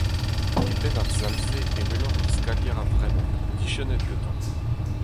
E penn ar sal-se e weloc'h ur skalier a vremañ. Diskennit gantañ.